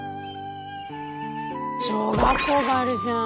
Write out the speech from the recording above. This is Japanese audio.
小学校があるじゃん。